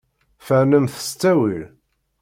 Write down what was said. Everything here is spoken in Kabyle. Fernemt s ttawil.